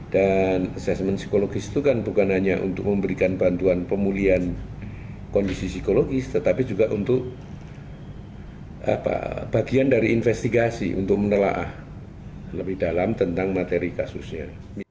dan asesmen psikologis itu kan bukan hanya untuk memberikan bantuan pemulihan kondisi psikologis tetapi juga untuk bagian dari investigasi untuk menelah lebih dalam tentang materi kasusnya